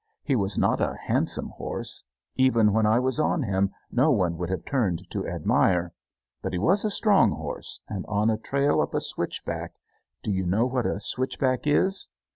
He was not a handsome horse. Even when I was on him, no one would have turned to admire. But he was a strong horse, and on a trail up a switchback do you know what a switchback is?